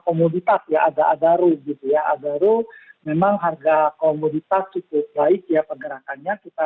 komoditas ya ada ada rule gitu ya ada rule memang harga komoditas cukup baik ya pergerakannya kita